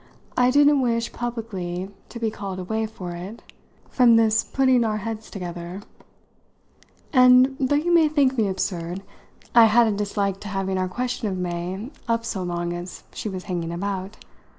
I didn't wish publicly to be called away for it from this putting of our heads together, and, though you may think me absurd, I had a dislike to having our question of May up so long as she was hanging about.